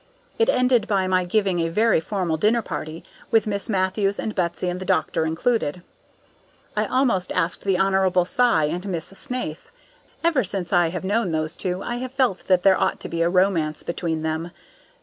It ended by my giving a very formal dinner party, with Miss Matthews and Betsy and the doctor included. I almost asked the Hon. Cy and Miss Snaith. Ever since I have known those two, I have felt that there ought to be a romance between them.